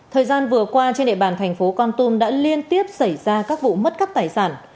thời gian vừa qua trên địa bàn thành phố con tum đã liên tiếp xảy ra các vụ mất cắp tài sản